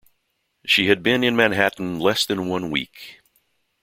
She had been in Manhattan less than one week.